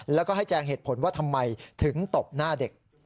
แล้วก็ให้แจงเหตุผลว่าทำไมถึงตบหน้าเด็ก